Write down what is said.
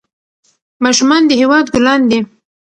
ماشومان د هېواد ګلان دي.